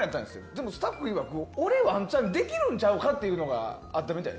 でも、スタッフいわく俺、ワンチャンできるんちゃう？みたいなのがあったらしい。